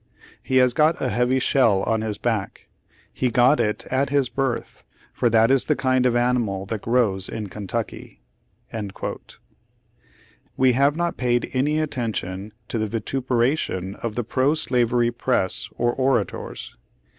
He has got a heavy shell on his back. He got it at his birth, for that is the kind of animal that grows in Kentucky." ^ We have not paid any attention to the vitupera tion of the pro slavery press or orators.